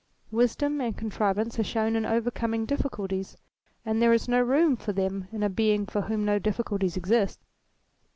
Wisdom and contrivance are shown in overcoming difficulties, and there is no room for them in a Being for whom no difficulties exist.